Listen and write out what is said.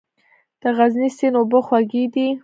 د غزني سیند اوبه خوږې دي؟